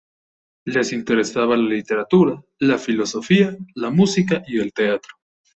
Les interesaba la literatura, la filosofía, la música y el teatro.